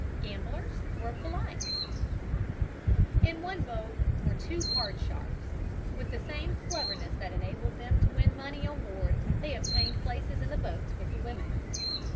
GAMBLERS WERE POLITE In one boat were two card sharps. With the same cleverness that enabled them to win money on board they obtained places in the boats with the women.